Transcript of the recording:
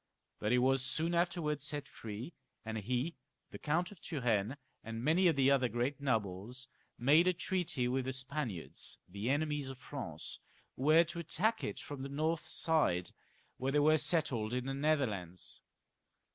But he was soon after set free, and he, the Count of Turenne, and many of the other great nobles, made a treaty with the Spaniards, the enemies of France, who were to attack it from the north side, where they were settled in the Netherlands.